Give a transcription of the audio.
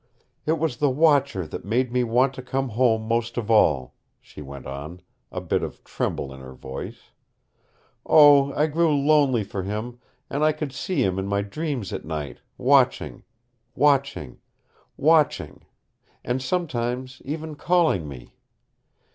"It was the Watcher that made me want to come home most of all," she went on, a bit of tremble in her voice. "Oh, I grew lonely for him, and I could see him in my dreams at night, watching, watching, watching, and sometimes even calling me.